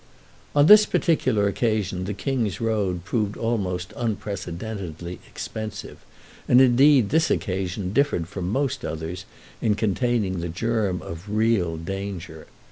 On this particular occasion the King's Road proved almost unprecedentedly expensive, and indeed this occasion differed from most others in containing the germ of real danger.